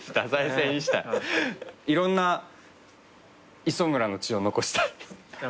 いろんな磯村の血を残したい。